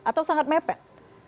atau sangat mepet